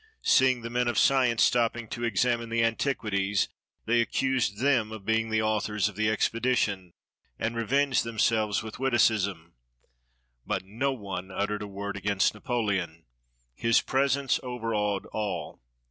Seeing the men of science stopping to examine the antiquities, they accused them of being the authors of the expedition, and revenged themselves with witticisms. But no one uttered a word against Napoleon. His presence overawed all.